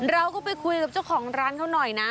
เราก็ไปคุยกับเจ้าของร้านเขาหน่อยนะ